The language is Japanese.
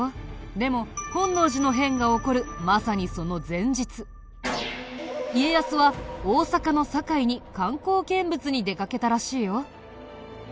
でも本能寺の変が起こるまさにその前日家康は大坂の堺に観光見物に出かけたらしいよ。